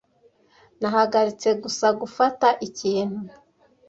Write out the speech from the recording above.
Nahagaritse gusa gufata ikintu.